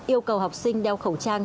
yêu cầu học sinh đeo khẩu trang